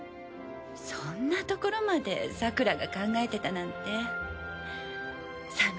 そんなところまでさくらが考えてたなんて寂しい。